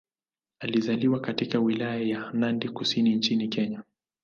Alizaliwa katika Wilaya ya Nandi Kusini nchini Kenya.